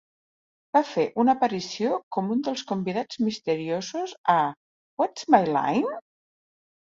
Va fer una aparició com un dels convidats misteriosos a "What's My Line?".